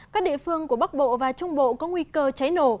các địa phương của bắc bộ và trung bộ có nguy cơ cháy nổ